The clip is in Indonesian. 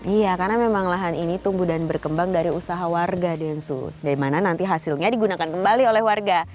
iya karena memang lahan ini tumbuh dan berkembang dari usaha warga densu dari mana nanti hasilnya digunakan kembali oleh warga